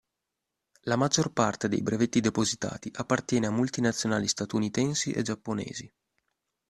La maggior parte dei brevetti depositati appartiene a multinazionali statunitensi e giapponesi.